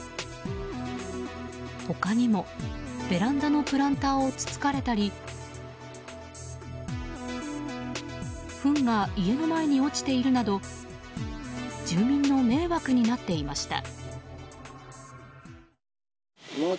他にも、ベランダのプランターをつつかれたり糞が家の前に落ちているなど住民の迷惑になっていました。